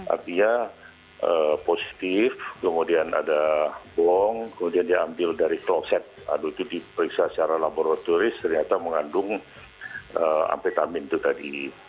artinya positif kemudian ada bong kemudian diambil dari kloset aduh itu diperiksa secara laboratoris ternyata mengandung amfetamin itu tadi